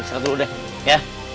saya dulu deh ya